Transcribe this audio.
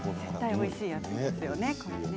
絶対おいしいやつですよね。